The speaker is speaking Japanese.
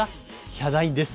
ヒャダインです。